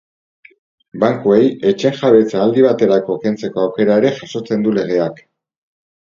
Bankuei etxeen jabetza aldi baterako kentzeko aukera ere jasotzen du legeak.